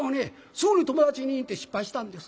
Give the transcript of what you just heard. すぐに友達に言うて失敗したんです。